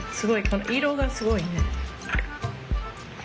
この色がすごいね。